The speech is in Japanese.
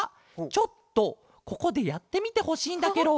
ちょっとここでやってみてほしいんだケロ。